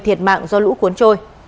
hiện mạng do lũ cuốn trôi